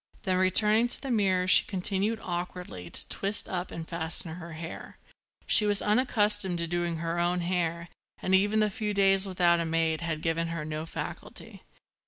Then returning to the mirror she continued, awkwardly, to twist up and fasten her hair. She was unaccustomed to doing her own hair and even the few days without a maid had given her no facility.